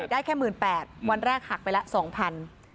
ใช่ได้แค่หมื่นแปดวันแรกหักไปแล้วสองพัน